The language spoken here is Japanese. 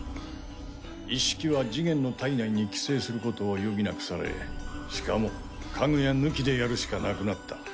イッシキはジゲンの体内に寄生することを余儀なくされしかもカグヤ抜きでやるしかなくなった。